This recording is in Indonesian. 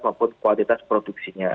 maupun kualitas produksinya